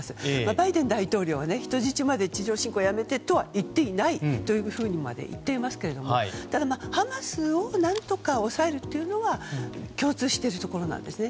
バイデン大統領は人質まで、地上侵攻をやめてと言っていないというふうにまで言っていますけどただ、ハマスを何とか抑えるというのは共通しているところなんですね。